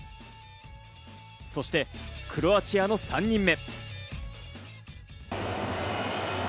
そしてクロアチアの３人目。